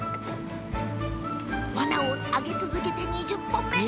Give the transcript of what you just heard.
ワナを揚げ続けて、２０本目。